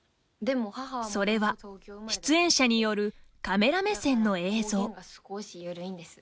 それは、出演者によるカメラ目線の映像。